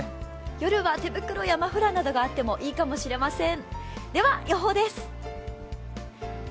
夜は手袋やマフラーなどがあってもいいかもしれません。